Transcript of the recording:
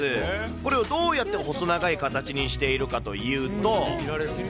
これをどうやって細長い形にしているかというと。